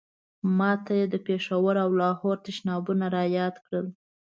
ما ته یې د پېښور او لاهور تشنابونه را یاد کړل.